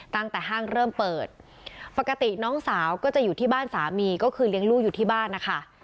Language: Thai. ตั้งแต่ห้างเริ่มเปิดปกติน้องสาวก็จะอยู่ที่บ้านสามีก็คือเลี้ยงลูกอยู่ที่บ้านนะคะ